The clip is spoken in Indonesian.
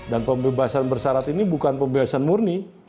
dan pembebasan bersyarat ini bukan pembebasan murni